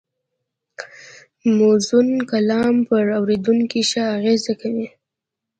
موزون کلام پر اورېدونکي ښه اغېز کوي